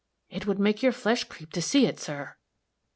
It would make your flesh creep to see it, sir!"